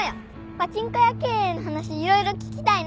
パチンコ屋経営の話色々聞きたいな！